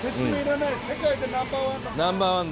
世界でナンバーワン。